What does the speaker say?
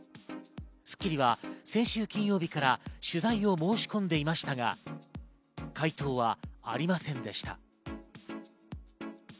『スッキリ』は先週金曜日から取材を申し込んでいましたが、回答はありませんでした。